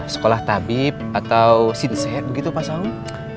sekolah tabib atau sinser begitu pak saud